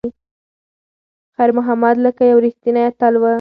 خیر محمد لکه یو ریښتینی اتل و.